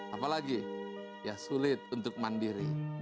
apa lagi ya sulit untuk mandiri